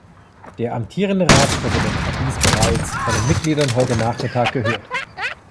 Der amtierende Ratspräsident hat dies bereits von den Mitgliedern heute nachmittag gehört.